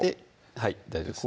はい大丈夫です